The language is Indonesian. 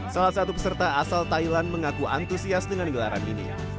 salah satu peserta asal thailand mengaku antusias dengan gelaran ini